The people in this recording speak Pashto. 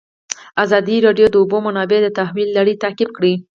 ازادي راډیو د د اوبو منابع د تحول لړۍ تعقیب کړې.